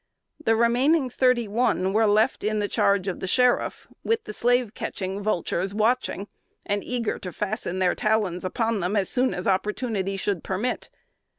The remaining thirty one were left in the charge of the sheriff, with the slave catching vultures watching, and eager to fasten their talons upon them so soon as opportunity should permit.